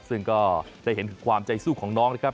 ซึ่งก็ได้เห็นความใจสู้ของน้องนะครับ